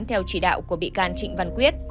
theo chỉ đạo của bị can trịnh văn quyết